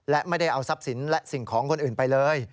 และไม่ได้เอาทรัพย์สินและสิ่งของคนอื่นไปเลย